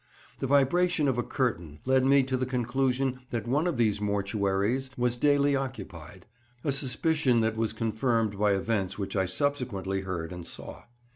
The vibration of a curtain led me to the conclusion that one of these mortuaries was daily occupied, a suspicion that was confirmed by events which I subsequently heard and saw.